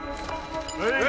はい！